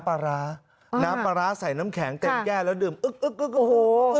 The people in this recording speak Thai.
ปลาร้าน้ำปลาร้าใส่น้ำแข็งเต็มแก้แล้วดื่มอึ๊กโอ้โห